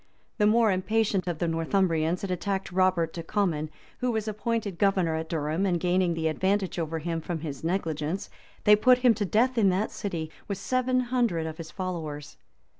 The more impatient of the Northumbrians had attacked Robert de Comyn, who was appointed governor of Durham; and gaining the advantage over him from his negligence, they put him to death in that city, with seven hundred of his followers.